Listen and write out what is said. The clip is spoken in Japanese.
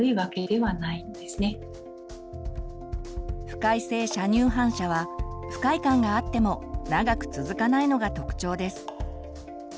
不快性射乳反射は不快感があっても長く続かないのが特徴です。